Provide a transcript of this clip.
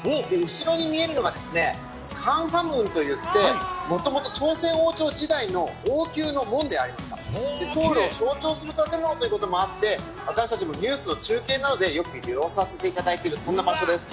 後ろに見えるのがカンファムンといって、もともと王宮の門でありました、ソウルを象徴する建物ということでもあって、私たちもニュースの中継でもよく利用させていただいている、そんな場所です。